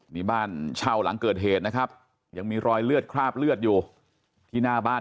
นี่บ้านเช่าหลังเกิดเหตุนะครับยังมีรอยเลือดคราบเลือดอยู่ที่หน้าบ้าน